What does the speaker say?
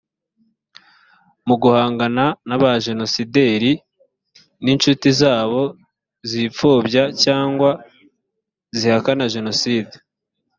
mu guhangana n abajenosideri n inshuti zabo zipfobya cyangwa zihakana jenoside